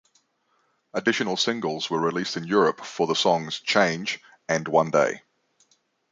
Additional singles were released in Europe for the songs "Change" and "One Day".